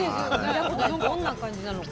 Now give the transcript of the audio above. どんな感じなのか。